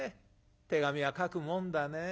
手紙は書くもんだね。